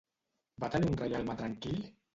Va tenir un reialme tranquil?